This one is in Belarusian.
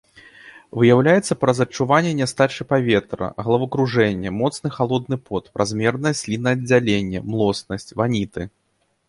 Выяўляецца праз адчуванне нястачы паветра, галавакружэнне, моцны халодны пот, празмернае слінааддзяленне, млоснасць, ваніты.